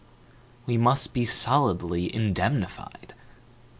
We must be solidly indemnified.